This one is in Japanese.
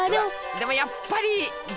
でもやっぱり牛・牛？